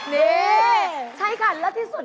เลิกที่สุด